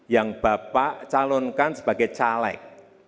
yang bapak calonkan sebagai caleg